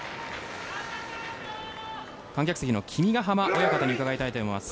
観客席の君ヶ濱親方に伺いたいと思います。